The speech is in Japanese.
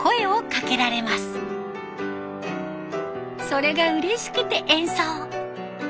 それがうれしくて演奏。